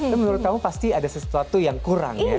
tapi menurut kamu pasti ada sesuatu yang kurang ya